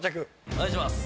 お願いします。